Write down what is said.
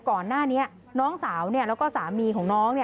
ก่อนหน้านี้น้องสาวแล้วก็สามีของน้อง